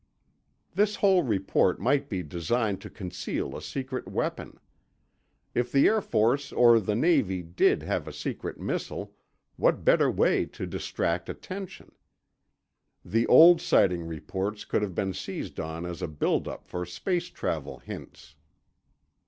This whole report might be designed to conceal a secret weapon. If the Air Force or the Navy did have a secret missile, what better way to distract attention? The old sighting reports could have been seized on as a buildup for space travel hints.